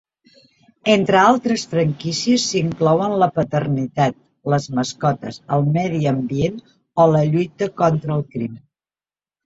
Entre altres franquícies s'inclouen la paternitat, les mascotes, el medi ambient o la lluita contra el crim.